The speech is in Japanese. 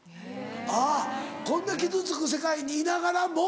あっこんな傷つく世界にいながらも。